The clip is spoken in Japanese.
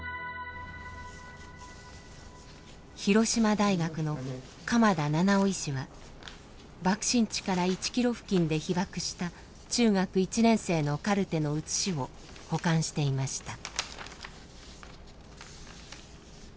広島大学の鎌田七男医師は爆心地から１ｋｍ付近で被爆した中学１年生のカルテの写しを保管していました。